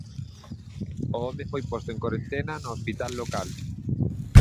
O home foi posto en corentena no hospital local.